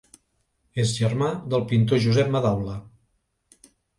És germà del pintor Josep Madaula.